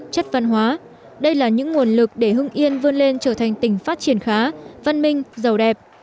chất văn hóa đây là những nguồn lực để hưng yên vươn lên trở thành tỉnh phát triển khá văn minh giàu đẹp